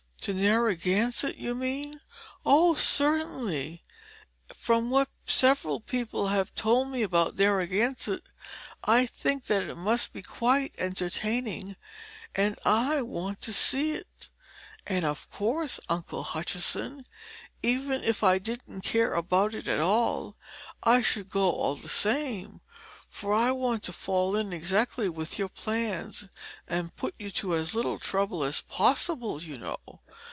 "To Narragansett, you mean? Oh, certainly. From what several people have told me about Narragansett I think that it must be quite entertaining, and I want to see it. And of course, Uncle Hutchinson, even if I didn't care about it at all, I should go all the same; for I want to fall in exactly with your plans and put you to as little trouble as possible, you know.